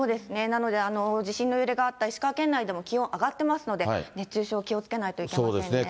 なので、地震の揺れがあった石川県内でも、気温上がってますので、熱中症気をつけないといけませんね。